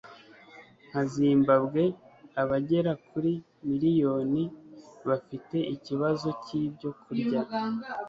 nka zimbambwe, abagera kuri miliyoni . bafite ikibazo cy'ibyo kurya